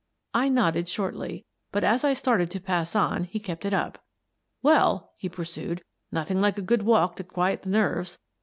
" I nodded shortly, but, as I started to pass on, he kept it up. " Well," he pursued, " nothing like a good walk to quiet the nerves.